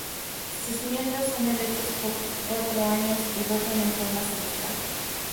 Sus miembros son electos por cuatro años y rotan en forma semestral.